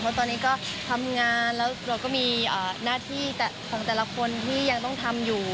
เพราะตอนนี้ก็ทำงานแล้วเราก็มีหน้าที่ของแต่ละคนที่ยังต้องทำอยู่